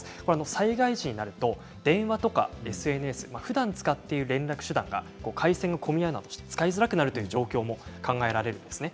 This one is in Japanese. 災害時になると電話やＳＮＳふだん使っている連絡手段が回線が混み合って使いづらくなるという状況も考えられるんですね。